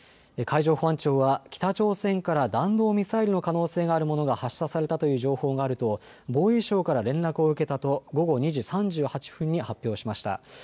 海上保安庁は北朝鮮から弾道ミサイルの可能性があるものが発射されたという情報があると防衛省から連絡を受けたと午後２時３８分に発表しました。